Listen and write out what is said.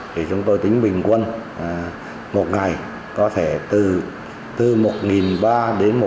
thì chúng tôi tìm kiếm những cái phòng đọc thiêu nghi với cháu đồng học với nhiều cháu